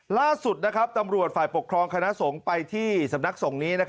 ล่าสุดตำรวจฝ่ายปกครองคณะสงฆ์ไปที่สำนักสงฆ์นี้